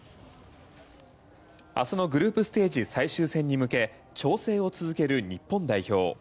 明日のグループステージ最終戦に向け調整を続ける日本代表。